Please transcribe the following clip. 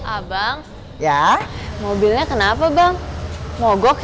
abang ya mobilnya kenapa bang mogok